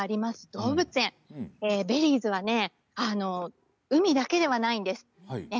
動物園ベリーズは海だけではないんです。